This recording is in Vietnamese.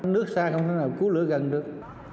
nước xa không thể nào cứu lửa gần được